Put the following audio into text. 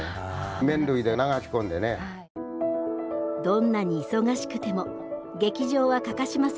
どんなに忙しくても劇場は欠かしませんでした。